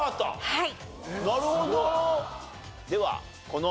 はい。